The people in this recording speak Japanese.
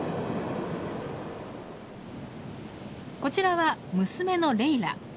こちらは娘のレイラ。